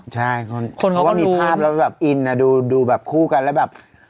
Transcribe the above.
ใช่เพราะว่ามีภาพแล้วแบบอินดูแบบคู่กันแล้วแบบ